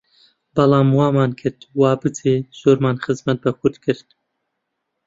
بەڵام وامان کرد، وا بچێ، زۆرمان خزمەت بە کورد کرد